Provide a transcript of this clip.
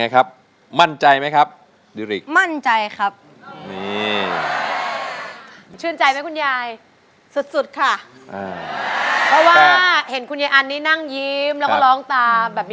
โครงใจโครงใจโครงใจโครงใจ